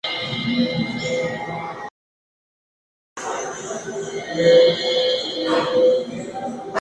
Estas aparecieron en la traducción húngara de "Conversations-Lexikon" de Brockhaus.